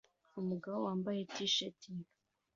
Umugabo wambaye t-shirt